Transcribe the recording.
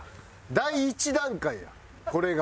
第一段階やこれが。